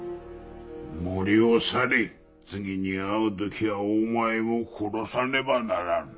森を去れ次に会う時はお前も殺さねばならぬ。